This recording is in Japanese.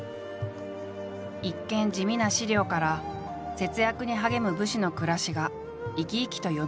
一見地味な史料から節約に励む武士の暮らしが生き生きとよみがえる。